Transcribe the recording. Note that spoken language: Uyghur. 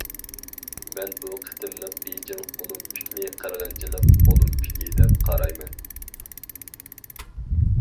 مەن بۇ قېتىملىق بېيجىڭ ئولىمپىكىنى قىرغىنچىلىق ئولىمپىكى دەپ قارايمەن.